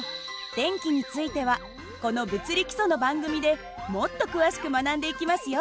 電気についてはこの「物理基礎」の番組でもっと詳しく学んでいきますよ。